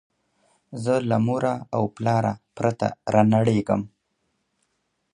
زه له موره او پلاره پرته رانړېږم